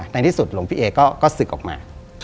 ในที่สุดหลวงพี่เอก็ศึกออกมา